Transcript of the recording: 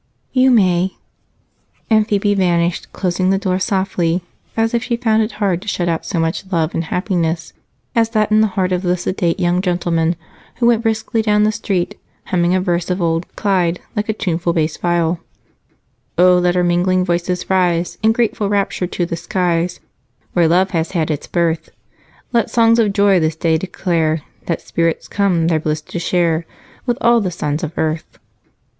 "You may." And Phebe vanished, closing the door softly, as if she found it hard to shut out so much love and happiness as that in the heart of the sedate young gentleman who went briskly down the street humming a verse of old "Clyde" like a tuneful bass viol: "Oh, let our mingling voices rise In grateful rapture to the skies, Where love has had its birth. Let songs of joy this day declare That spirits come their bliss to share With all the sons of earth."